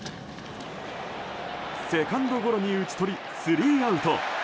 セカンドゴロに打ち取りスリーアウト。